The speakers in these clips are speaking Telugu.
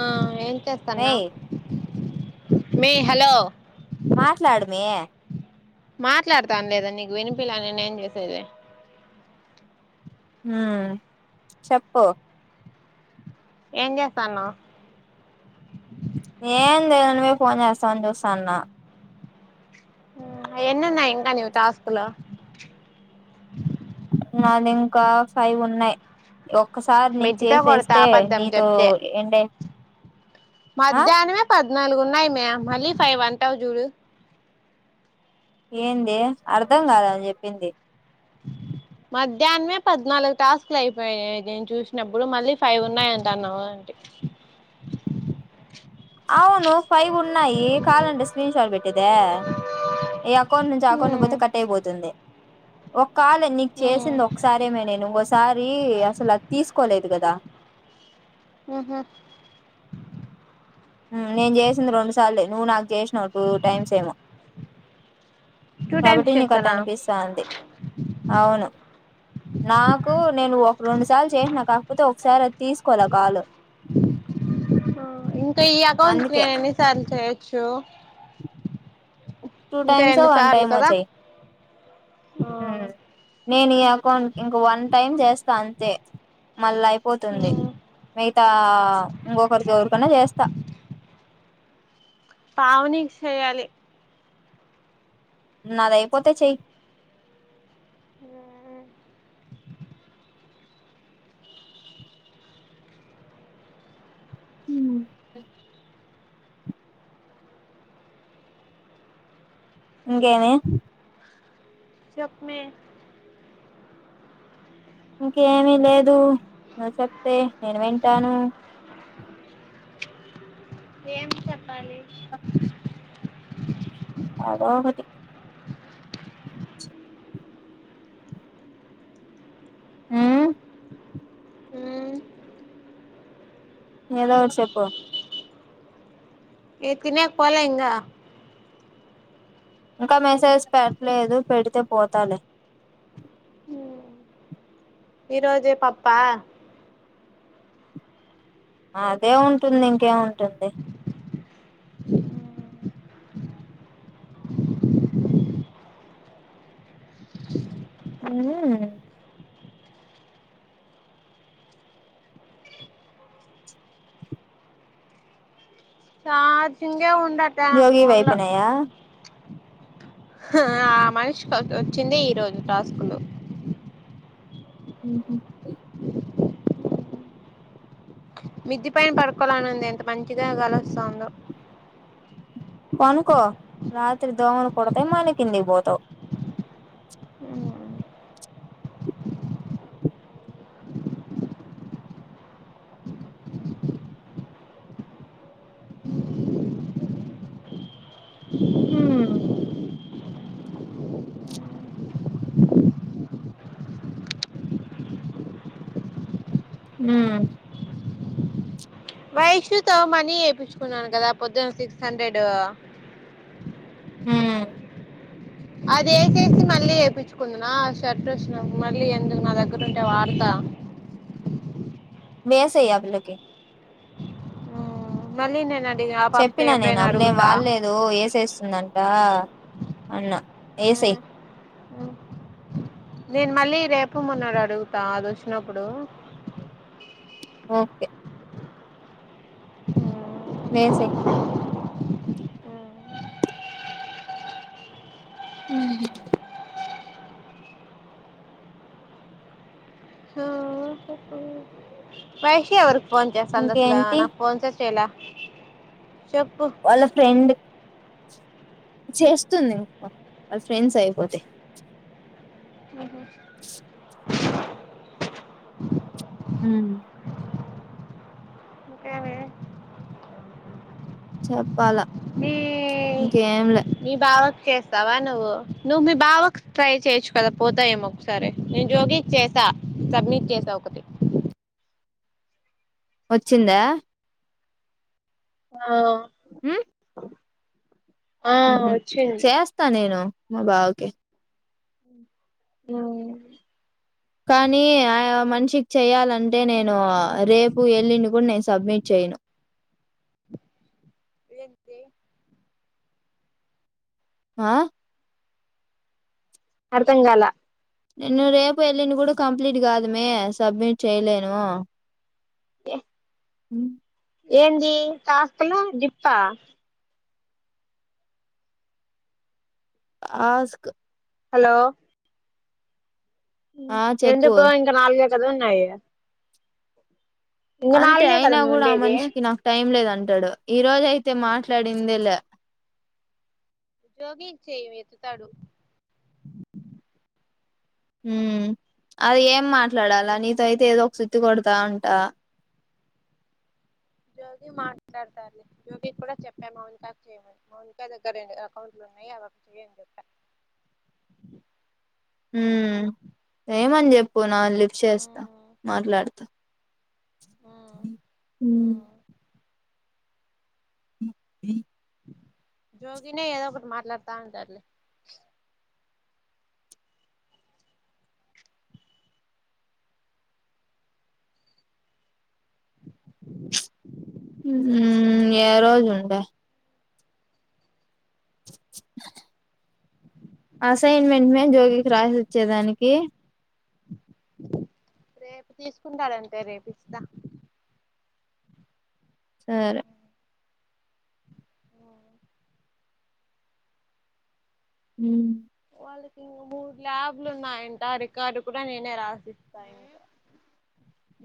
ఆ ఏం చేతనావ్ మేయ్ మీ హలో మాట్లాడుమీ మాట్లాడతాను లేదా నీకు వినిపిలా నేనేేం జేసేది ఆ చెప్పు ఏం జేతనవ్ ఏందెలె నువ్వే పోన్ జేస్తవని జూస్తాన్న ఆ అయ్ ఎన్నునాయ్ ఇంకా నీవి టాస్క్లు నాది ఇంకా ఫైవ్ ఉన్నాయ్ ఒక్కసారి నీకు మెట్టితో కొడతా చేసేస్తే అబద్ధం నీతో చెప్తే ఎండె అయ్ ఆ ద్నాలుగు ఉన్నాయి మ్యా మళ్ళీ ఫైవ్ అంటావ్ జూడు ఏందె అర్ధం గాల నువ్ జెప్పింది. మధ్యానమే పద్నాలుగు టాస్కులు అయిపోయాయి నేను చూసినప్పుడు, మళ్ళీ ఫైవ్ ఉన్నాయంటన్నావు ఏంటి. అవును ఫైవ్ ఉన్నాయి కాలంటే స్క్రీన్ షాట్ పెట్టేదా ఈ అకౌంట్ నుంచి అకౌంట్ హ్మ్ పోతే కట్ అయిపోతుంది. ఒక్ కాల్ నీకు హ్మ్ చేసింది ఒకసారే అమ్మి నేను వస్ తారి అసలు అది తీసుకోలేదు గదా ఊహ్మ్ ఉమ్ నేను జేసింది రొండు సార్లే నువ్వు నాకు జేష్ నాకు టైమ్ సేము టూ కాబట్టి టైమ్స్ నీకు అట చేస్తానా అనిపిస్తాంది అవును నాకు నేను ఒక రెండు సార్లు చేసిన కాకపోతే ఒకసారి అది తీస్ కొల కాలు ఆ ఇం కీ అకౌంట్కు అందుకే నేన్ ఎన్ని సార్లు చెయ్ చో టూ టైమ్సో వన్ టైమో చెయ్ ఆ ఊమ్ నేన్ ఈ అకౌంట్ ఇంకో వన్ టైమ్ జేస్ స్తా అంతే మళ్ళా అయిపోతుంది హ్మ్ మితా ఇంగొకరికి ఎవరికన్నా జేస్తా పావనీకి సెయాలి నాదయిపోతే చేయ్ ఆఆ ఊమ్ ఇంకేమి చెప్మి ఇంకేమీ లేదు నువ్వు చెప్తే నేను వింటాను. ఏం చెప్పాలి ఎదోఒకటి హ్ హ్ ఏదోటి చెప్పు ఏ తినేకి పోలేఇంగా ఇంకా మెసేజ్ పెట్టలేదు పెడితే పోతాలే ఈ రోజే పప్పా అదే ఉంటుంది ఇంకే ఉంటుంది హుఊఊఉ ఆ ఉడాట్ట జోగివి ఫోన్లో అయిపోయినాయా ఆ మనిషికి వచ్చింది ఈరోజు ట్రాస్కులు ఊహు మిద్ధి పైన పడుకోవాలనింది ఎంత మంచిగా గాలొస్తుందో పనుకో రాత్రి దోమలు కుడతాయి మల్లీ కిందికి పోతావు హు హు వైష్యుతో మనీ వయించుకున్నాను కదా పొద్దున సిక్స్ హండ్రెడ్ హు అదే చేసి మళ్ళీ వేయిపించుకుందునా ఆ షర్ట్ వచ్చిన మళ్ళీ ఎందుకు నా దగ్గర ఉంటే వాడత వేసేయ్ ఆ పిల్లకి మళ్ళ నే నా చెప్పినా నేను అప్పులేం వాడలేదు ఏసేస్తుందంట అన్నా ఏసెయ్ నేను మళ్ళీ రేపమ్ ఉన్నాడు అడుగుతా అది వచ్చినప్పుడు ఓకే ఆ లేేసే ఉ పైషివర్ ఫోన్ చేస్తుందా అసలా ఇంకేంటి నాకు ఫోన్ చే చేయలా వాళ్ళ ఫ్రెండ్ చేస్తుంది వాళ్ళ ఫ్రెండ్స్ అయిపోతే హు చెప్పాలా ఇంకేం లే మీ బావకు చేస్తావా నువ్వు నువ్వు మీ బావకు ట్రై చేయొచ్చు కదా పోతాయ ఏమో ఒకసారి నేను జోగికి చేసా సబ్మిట్ చేసా ఒకటి వచ్చిందా ఆ ఉమ్ ఆ ఉహు వచ్చింది చేస్తా నేను మా బావకి హ కానీ ఆ మనిషికి చేయాలంటే నేను రేపు వెల్లుండి కూడా నేను సబ్మిట్ చేయను ఏంటి ఆ అర్థం కాల నేను రేపు వెళ్ళిన కూడా కంప్లీట్ కాదేమ్మి సబ్మిట్ చేయలేను టే ఉం ఏంది టాస్క్ లు జిప్పా ఆస్క్ హలో ఆ చెప్పు ఎందుకో ఇంక నాలు గై కద ఉన్నాయి ఇంక అంతే నాలుగే కదా అయినా నువ్వు కూడా ఆ ఉండేది మనిషికి నాకు టైం లేదంటాడు ఈ రోజయితే మాట్లాడిందేలా జోగి కి చేయివే ఎత్తుతాడు ఉం అది ఏం మాట్లాడాలా నీతో అయితే ఏదో ఒక సుత్తి కొడతా ఉంటా జోగి మాట్లాడతారు జోగి కూడా చెప్పా మౌనిక క్ చేయమని మౌనిక దగ్గర రెండు అకౌంట్లు ఉన్నాయి అవేక్ చెయని చెప్పా ఆ లిఫ్ట్ చేస్తా మాట్లాడతా ఉం [inaudible] జోగినే ఏదో ఒకటి మాట్లాడుతా ఉంటడ్ లే ఏ రోజు ఉంట అసైన్మెంట్ మే జోగికి రాసి ఇచ్చేదానికి రేపు తీసుకుంటాడంటే రేపు ఇస్తా సరే ఆ ఉం వాళ్ళకింకా మూడు ల్యాబ్లు ఉన్నాయంట రికార్డు కూడా నేనే రాసిస్తా ఇంకా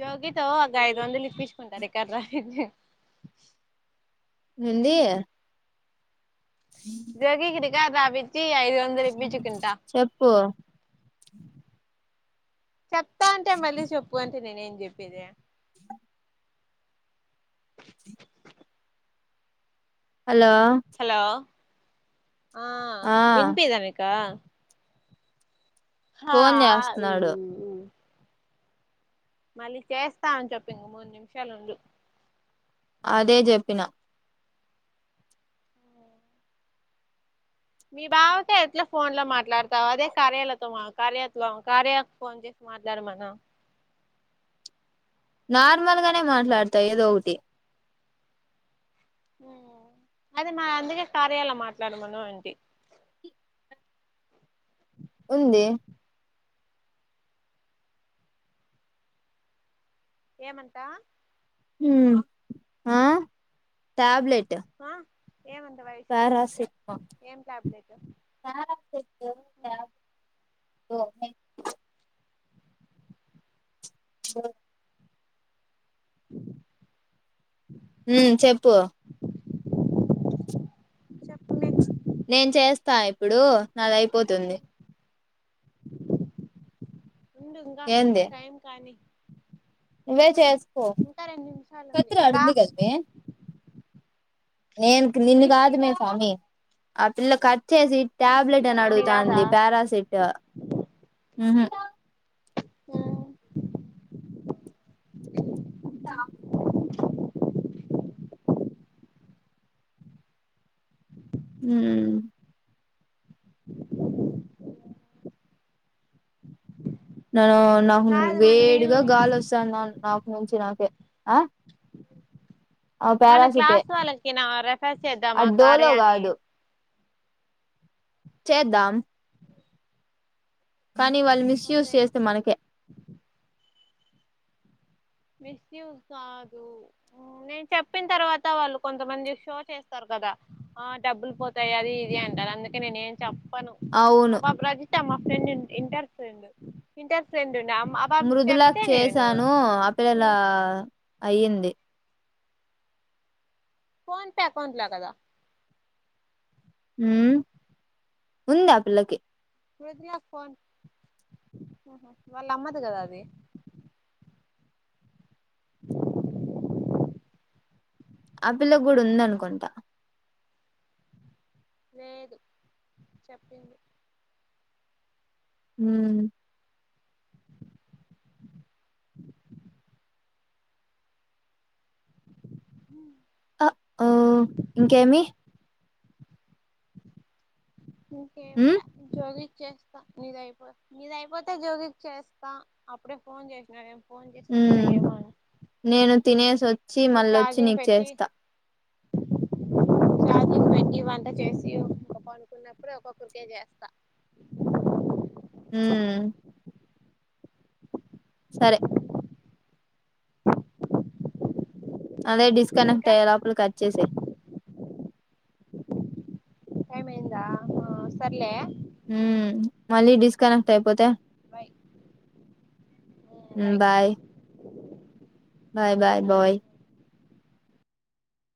జోగి వు అగ ఐదువందలిపిస్తా కుంటా రా రికార్డ్ రాయనికి ఉంది జగది కిది జరవిద్ చి ఐదువందలిప్పించుకుంటా చెప్పు [inaudible] చెప్తా అంటే మళ్ళీ చెప్పు అని నేనేం చెప్పేది హలో ఆ ఆ వినిపిదానికా హా ఫోన్ చేస్తున్నాడు మళ్ళీ చేస్తా అని చెప్పంది మూడు నిమిషాలుంది అదే చెప్పిన [unintelligible] నార్మల్ గానే మాట్లాడతాయి ఏదో ఒకటి [unintelligible] ఉందిే ఏమంటా హ ఆ ట్యాబ్లెట్ ఆ ఏమంత వయసు పారాసిట్ మా ఏం టాబ్లెట్ పారసట్ కాదు [unintelligible] స అ ఊ చెప్పు చెప్పమే నేను చేస్తా ఇప్పుడు నాది అయిపోతుంది. [inaudible] ఉంగా ఏంది టైం కానీ నువ్వే చేస్ ఇంకా రెండు నిమిషాలుంది ఇబా కదమే నేను నిన్ను కాదు మే స్వామి ఆ పిల్లకి చ్చేసి టాబ్లెట్ అని అన్ని కాదా అడుగుతాంది పారాసిట్ హూ త [inaudible] ఊమ్ రర్ వుంది కాదు మనము వేడిగా గాలి వస్తాంది నుంచి నాకే ఆ ఆ పారాసిటే ఆ డోలో కాదు [unintelligible] చేద్దాం. కానీ వాల్ మిస్ యూస్ అదే చేస్తే మనకే మిస్యూస్ కాదు నేను చెప్పిన తర్వాత వాళ్ళు కొంతమంది షో చేస్తారు కదా ఆ డబ్బులు పోతాయి అది ఇది అంటారు అందుకే నేనే ఏం చెప్ చెప్పను అవును [inaudible] మా friend inter friend inter friend డి మృదులకి చేసాను ఆ పిల్ల లా అయ్యింది. ఫోన్ పే అకౌంట్ల కదా హ్ ఉందాఆ పిల్లకి మృదుల ఫోన్ వాళ్ళ అమ్మది కదా అది ఆ పిల్లకి గుడా ఉందనుకుంటా లేదు చెప్పింది. హ్ మ్ ఆ హా ఇంకేమి ఇంకా ఏం ఉమ్ లె చేస్తా అయిపోతే నీదయిపోతే జోగికి చేస్తా అప్పుడే ఫోన్ చేసినడే ఫోన్ చేసి చెపుతా ఉమ్ నేను తినేసి వచ్చి మళ్ళొచ్చి నీకు చేస్తా చార్జింగ్ పెట్టి వంట చేసి ఒక్కొక్కరికే చేస్తా హ సరే అదే డిస్ కనుక ఇంకా ట్య లోపల కట్ చేసి టైం అయిందా సరే లె హ మళ్ళీ డిస్కనెక్ట్ అయిపోతే వై బాయ్ బాయ్ బాయ్ బాయ్